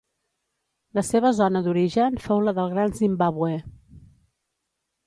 La seva zona d'origen fou la del Gran Zimbàbue.